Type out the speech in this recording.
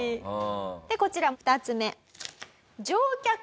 でこちら２つ目。